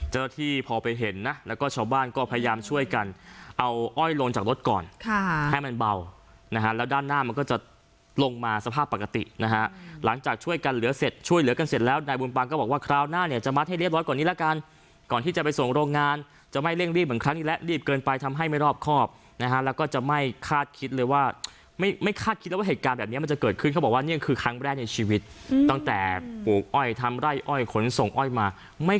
เจอที่พอไปเห็นนะแล้วก็ชาวบ้านก็พยายามช่วยกันเอาอ้อยลงจากรถก่อนให้มันเบานะฮะแล้วด้านหน้ามันก็จะลงมาสภาพปกตินะฮะหลังจากช่วยกันเหลือเสร็จช่วยเหลือกันเสร็จแล้วนายบุญปังก็บอกว่าคราวหน้าเนี่ยจะมัดให้เรียบรถก่อนนี้ละกันก่อนที่จะไปส่งโรงงานจะไม่เร่งรีบเหมือนครั้งนี้แหละรีบเกินไปทำให้